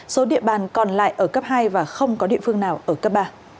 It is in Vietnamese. số địa bàn còn lại ở cấp hai và không có địa phương nào ở cấp ba